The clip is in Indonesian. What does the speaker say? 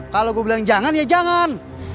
kalau gue bilang jangan ya jangan